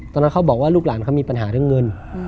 เขาบอกว่าลูกหลานเขามีปัญหาเรื่องเงิน